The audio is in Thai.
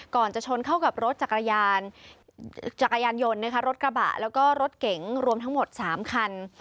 ก่อนจะชนเกี่ยวกับรถจักรยานยนทร์รถกระบะและรถเก๋งรวมทั้งหมด๓คัน